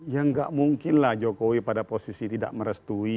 ya enggak mungkin lah jokowi pada posisi tidak merestui